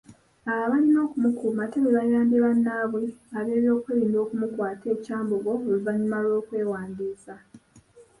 Abo abalina okumukuuma ate be baayambye bannaabwe ab'ebyokerinda okumukwata e Kyambogo oluvannyuma lw'okwewandiisa.